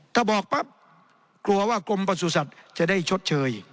ถ้าบอกปั๊บกลัวว่ากรมประสุทธิ์จะได้ชดเชย